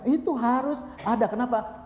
itu harus ada kenapa